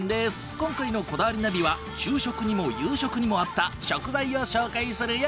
今回の『こだわりナビ』は昼食にも夕食にも合った食材を紹介するよ。